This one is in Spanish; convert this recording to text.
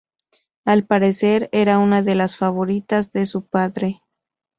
Al parecer, era una de las favoritas de su padre.